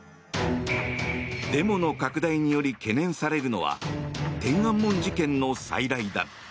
デモの拡大により懸念されるのは天安門事件の再来だ。